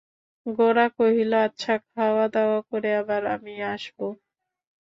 গোরা কহিল, আচ্ছা, খাওয়াদাওয়া করে আবার আমি আসব।